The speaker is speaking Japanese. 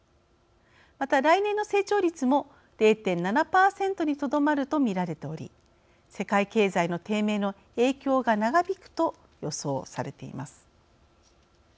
また、来年の成長率も０．７％にとどまると見られており世界経済の低迷の影響が長引くと予想されています。